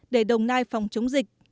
để đồng nai phòng chống dịch